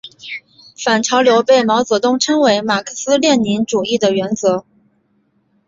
反潮流被毛泽东称为马克思列宁主义的原则。